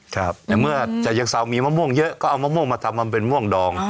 แต่เมื่อเฉยเชิงเซามีมะม่วงเยอะก็เอามะม่วงมาทำเป็นมะม่วงดอง